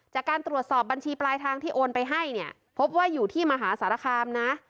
จากการตรวจสอบบัญชีปลายทางที่โอนไปให้เนี่ยพบว่าอยู่ที่มหาสารคามนะ